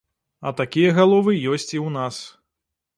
А такія галовы ёсць і ў нас.